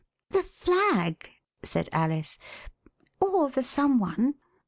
'*" The flag," said Alice, or the some one.